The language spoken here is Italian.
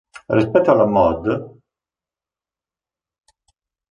Rispetto alla Mod.